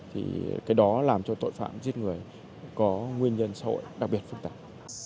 thì cái đó làm cho tội phạm giết người có nguyên nhân xã hội đặc biệt phức tạp